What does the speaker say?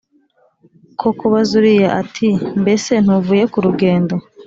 ko kubaza Uriya ati Mbese ntuvuye ku rugendo